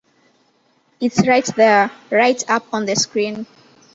It's right there, right up on the screen.